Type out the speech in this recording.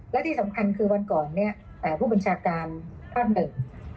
และที่สำคัญคือวันก่อนเนี่ยผู้บัญชาการท่านหนึ่ง